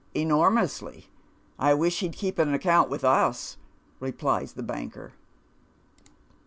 " Enormously. I wish he'd keep an account with us," replies the banker.